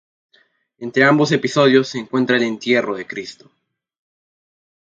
Entre ambos episodios se encuentra el entierro de Cristo.